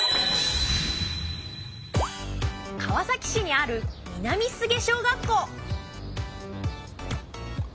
川崎市にある南菅小学校。